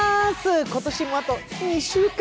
今年もあと２週間。